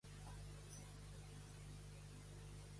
Què és encara més rellevant les protestes?